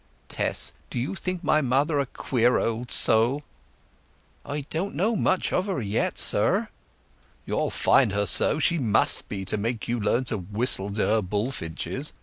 Tess, do you think my mother a queer old soul?" "I don't know much of her yet, sir." "You'll find her so; she must be, to make you learn to whistle to her bullfinches.